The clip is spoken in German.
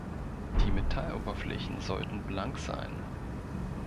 Die Metalloberflächen sollten „blank“ sein.